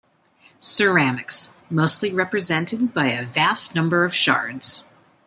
Ceramics: Mostly represented by a vast number of shards.